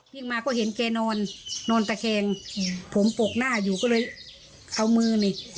วิ่งมาก็เห็นแกนอนนอนตะแคงผมปกหน้าอยู่ก็เลยเอามือนี่